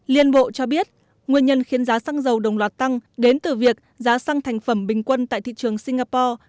liên bộ cho biết nguyên nhân khiến giá xăng dầu đồng loạt tăng đến từ việc giá xăng thành phẩm bình quân tại thị trường singapore